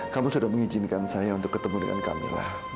kamu sudah mengizinkan saya untuk ketemu dengan camilla